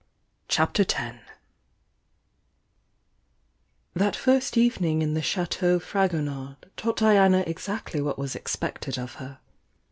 CHAPTER X H That first evening in the Chateau Fragonard taught Diana exactly what was expected of her.